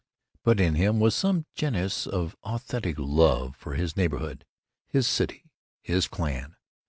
But in him was some genius of authentic love for his neighborhood, his city, his clan.